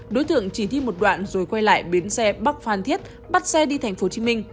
đối tượng chỉ thi một đoạn rồi quay lại biến xe bắt phan thiết bắt xe đi tp hcm